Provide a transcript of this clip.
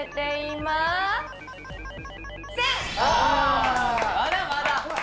まだまだ！